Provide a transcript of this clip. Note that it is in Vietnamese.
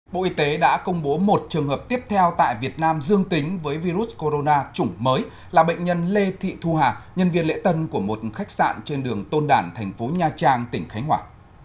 bộ y tế đã công bố một trường hợp tiếp theo tại việt nam dương tính với virus corona chủng mới là bệnh nhân lê thị thu hà nhân viên lễ tân của một khách sạn trên đường tôn đản thành phố nha trang tỉnh khánh hòa